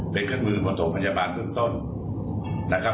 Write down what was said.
เป็นเครื่องมือบริโภคพยาบาลต้นนะครับ